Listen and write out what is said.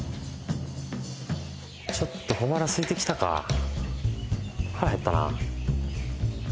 ちょっと小腹すいてきたか腹減ったな